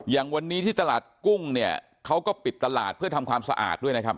อย่างวันนี้ที่ตลาดกุ้งเนี่ยเขาก็ปิดตลาดเพื่อทำความสะอาดด้วยนะครับ